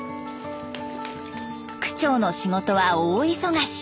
区長の仕事は大忙し。